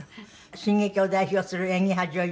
新劇を代表する演技派女優